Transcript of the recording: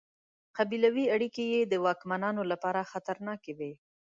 قبیلوي اړیکې یې د واکمنانو لپاره خطرناکې وې.